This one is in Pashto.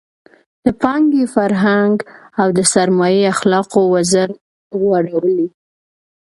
د پانګې فرهنګ او د سرمایې اخلاقو وزر غوړولی.